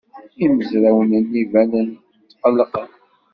Imezrawen-nni banen-d tqellqen.